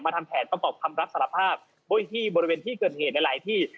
มาทำแผนกับคำรักษาภาพบริเวณที่เกิดเหตุในหลายที่